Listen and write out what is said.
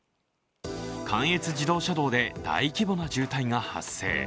関越自動車道で大規模な渋滞が発生。